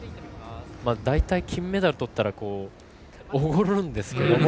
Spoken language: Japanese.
大体、金メダルをとったらおごるんですけども。